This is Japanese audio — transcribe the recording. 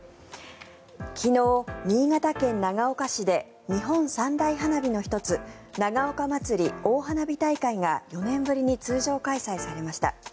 昨日、新潟県長岡市で日本三大花火の１つ長岡まつり大花火大会が４年ぶりに通常開催されました。